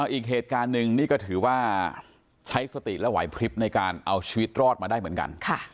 อีกเหตุการณ์หนึ่งนี่ก็ถือว่าใช้สติและไหวพลิบในการเอาชีวิตรอดมาได้เหมือนกัน